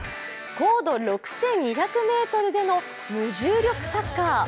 高度６２００ｍでの無重力サッカー。